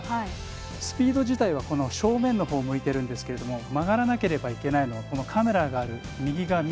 スピード自体は正面のほうを向いているんですけど曲がらなければいけないのはカメラがある右側。